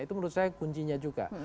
itu menurut saya kuncinya juga